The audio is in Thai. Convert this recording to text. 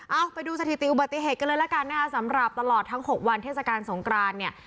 เอาไปดูสถิติอุบัติเหตุกันเลยละกันนะคะสำหรับตลอดทั้ง๖วันเทศกาลสงกรานเนี่ย